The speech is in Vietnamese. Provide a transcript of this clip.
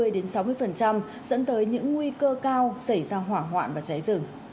dẫn tới những nguy cơ cao xảy ra hoảng hoạn và cháy rừng